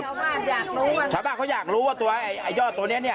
อยากรู้บ้างชาวบ้านเขาอยากรู้ว่าตัวไอ้ไอ้ยอดตัวเนี้ยเนี้ย